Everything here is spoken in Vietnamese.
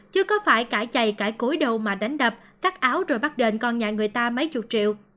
chứ có phải cãi chay cãi cối đầu mà đánh đập cắt áo rồi bắt đền con nhà người ta mấy chục triệu